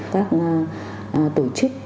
các tổ chức